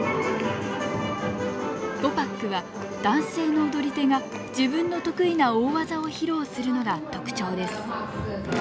「ゴパック」は男性の踊り手が自分の得意な大技を披露するのが特徴です。